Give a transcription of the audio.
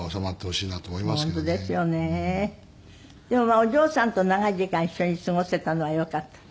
でもお嬢さんと長い時間一緒に過ごせたのはよかった？